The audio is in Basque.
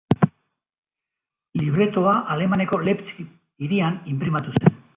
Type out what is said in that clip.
Libretoa Alemaniako Leipzig hirian inprimatu zen.